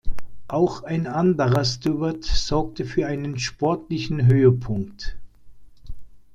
Auch ein anderer Stewart sorgte für einen sportlichen Höhepunkt.